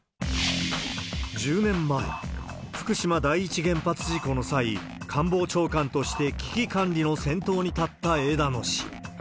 １０年前、福島第一原発事故の際、官房長官として危機管理の先頭に立った枝野氏。